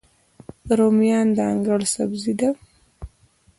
رومیان د انګړ سبزي ده